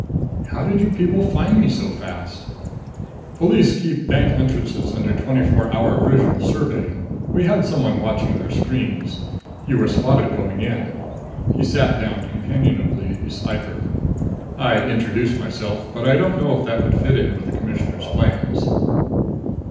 "How did you people find me so fast?" "Police keep bank entrances under twenty four hour visual survey. We had someone watching their screens. You were spotted going in." He sat down companionably beside her. "I'd introduce myself, but I don't know if that would fit in with the Commissioner's plans."